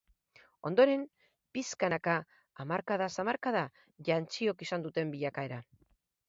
Ondoren, pixkanaka hamarkadaz hamarkada jantziok izan duten bilakaera.